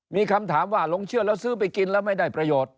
มีคำถามว่าหลงเชื่อแล้วซื้อไปกินแล้วไม่ได้ประโยชน์